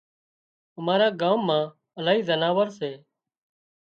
امارا ڳام مان الاهي زناورسي